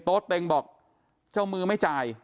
เต็งบอกเจ้ามือไม่จ่าย